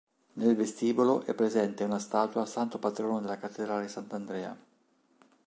Nel vestibolo è presente una statua santo patrono della cattedrale, Sant'Andrea.